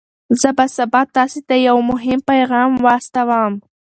زه به سبا تاسي ته یو مهم پیغام واستوم.